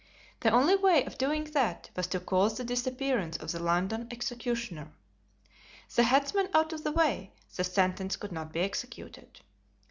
The only way of doing that was to cause the disappearance of the London executioner. The headsman out of the way, the sentence could not be executed.